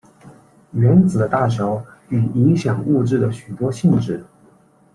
原子的大小与影响物质的许多性质。